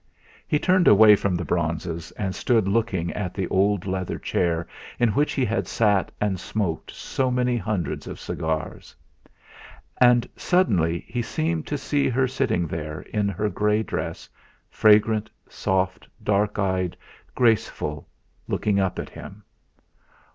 He turned away from the bronzes and stood looking at the old leather chair in which he had sat and smoked so many hundreds of cigars. And suddenly he seemed to see her sitting there in her grey dress, fragrant, soft, dark eyed, graceful, looking up at him.